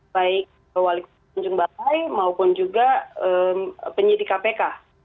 baik wali kota tanjung balai maupun juga penyidik kpk